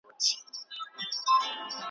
ما د الوداع په شپه د ګلو غېږ ته واستوه `